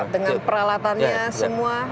dengan peralatannya semua